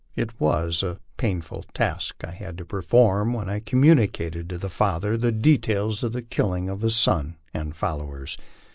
It was a painful task I had to perform when I communicated to the father the details of the killing of his on and followers.